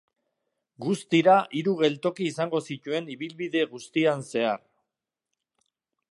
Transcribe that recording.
Guztira hiru geltoki izango zituen ibilbide guztian zehar.